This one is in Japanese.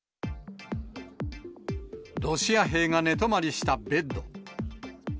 ロシア兵が寝泊まりしたベッド。